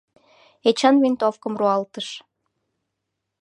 — Эчан винтовкым руалтыш.